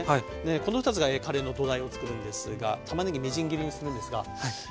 この２つがカレーの土台をつくるんですがたまねぎみじん切りにするんですが。